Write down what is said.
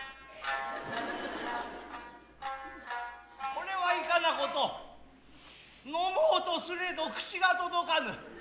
是れはいかな事呑もうとすれど口が届かぬ。